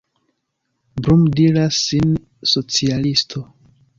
Blum diras sin socialisto.